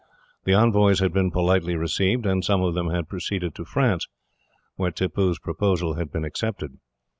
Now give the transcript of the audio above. The envoys had been politely received, and some of them had proceeded to France, where Tippoo's proposal had been accepted.